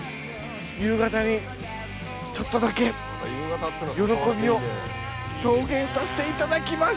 夕方にちょっとだけ喜びを表現させていただきます。